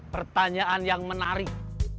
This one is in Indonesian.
pertanyaan yang menarik